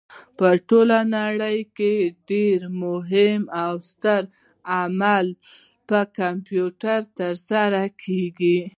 په ټوله نړۍ کې ډېرې مهمې او سترې عملیې په کمپیوټر ترسره کېږي.